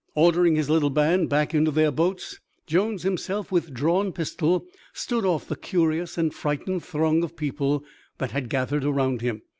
Ordering his little band back into their boats, Jones himself with drawn pistol stood off the curious and frightened throng of people that had gathered around him.